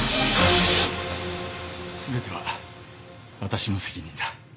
全ては私の責任だ。